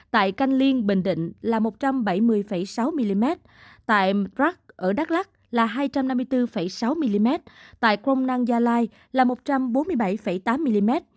tại canh liên bình định là một trăm bảy mươi sáu mm tại prak ở đắk lắc là hai trăm năm mươi bốn sáu mm tại crom năng gia lai là một trăm bốn mươi bảy tám mm